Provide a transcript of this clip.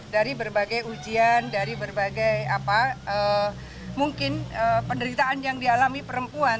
dari berbagai ujian dari berbagai mungkin penderitaan yang dialami perempuan